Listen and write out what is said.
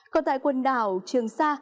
còn tại quần đảo trường sa